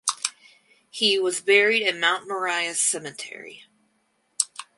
He was buried in Mount Moriah Cemetery.